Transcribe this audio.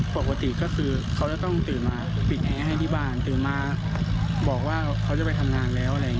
ปกติก็คือเขาจะต้องตื่นมาปิดแอร์ให้ที่บ้านตื่นมาบอกว่าเขาจะไปทำงานแล้วอะไรอย่างนี้